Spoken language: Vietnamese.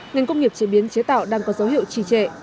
ngành công nghiệp chế biến chế tạo đang có dấu hiệu trì trệ